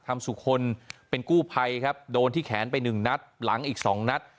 ทำสู่คนเป็นกู้ไพโดนที่แขนไป๑นัดหลังอีก๒นัด